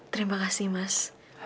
terima kasih mas